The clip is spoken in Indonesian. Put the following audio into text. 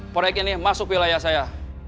proyek ini masuk wilayah saya